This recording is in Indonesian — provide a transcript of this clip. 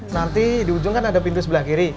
nanti di ujung kan ada pintu sebelah kiri